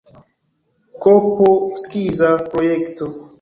Kp skiza projekto.